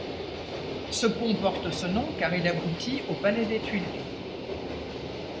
Ce pont porte ce nom car il aboutit au palais des Tuileries.